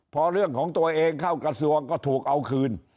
พอเรื่องของตัวเองเข้ากระทรวงก็ถูกเอาคืน